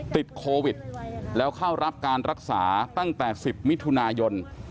ติดโควิดแล้วเข้ารับการรักษาตั้งแต่๑๐มิถุนายน